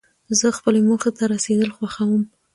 زه خپلې موخي ته رسېدل خوښوم.